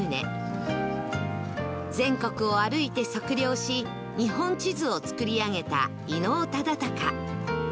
全国を歩いて測量し日本地図を作り上げた伊能忠敬